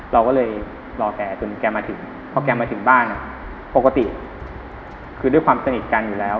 เราก็เลยรอแกจนแกมาถึงพอแกมาถึงบ้านปกติคือด้วยความสนิทกันอยู่แล้ว